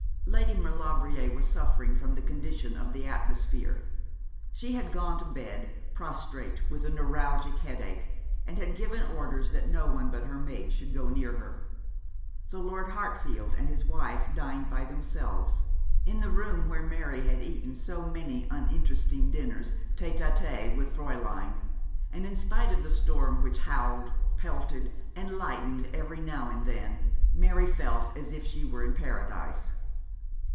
Lady Maulevrier was suffering from the condition of the atmosphere. She had gone to bed, prostrate with a neuralgic headache, and had given orders that no one but her maid should go near her. So Lord Hartfield and his wife dined by themselves, in the room where Mary had eaten so many uninteresting dinners tête à tête with Fräulein; and in spite of the storm which howled, pelted, and lightened every now and then, Mary felt as if she were in Paradise.